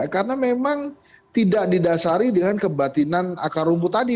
karena memang tidak didasari dengan kebatinan akar rumput tadi